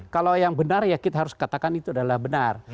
kalau yang benar ya kita harus katakan itu adalah benar